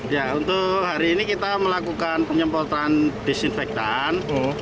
ya untuk hari ini kita melakukan penyemprotan disinfektan